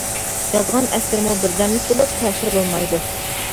يازغان ئەسىرىمۇ بىر دەملىك بولۇپ، تەسىرى بولمايدۇ.